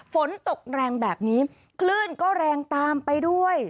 ฝนตกแรงแบบนี้คลื่นก็แรงตามไปด้วย